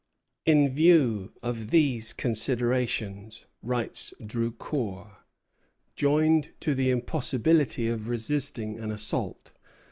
"In view of these considerations," writes Drucour, "joined to the impossibility of resisting an assault, M.